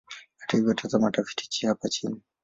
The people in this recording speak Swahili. Hata hivyo, tazama tafiti hapa chini.